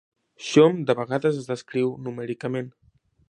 Chomp de vegades es descriu numèricament.